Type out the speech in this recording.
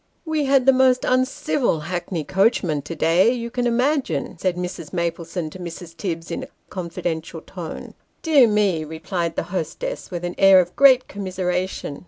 "We had the most uncivil hackney coachman to day, you can imagine," said Mrs. Maplesone to Mrs. Tibbs, in a confidential tone. " Dear me !" replied the hostess, with an air of great commiseration.